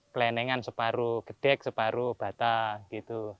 kelenengan separuh gedek separuh bata gitu